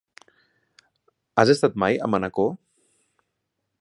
Has estat mai a Manacor?